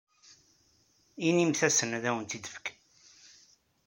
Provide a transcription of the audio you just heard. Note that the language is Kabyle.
Inimt-asen ad awent-t-id-fken.